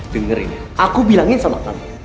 dengerin aku bilangin sama kamu